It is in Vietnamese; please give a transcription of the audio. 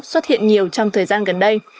xuất hiện nhiều trong thời gian gần đây